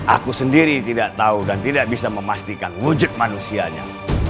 aku sendiri tidak tahu dan tidak bisa memastikan wujud manusianya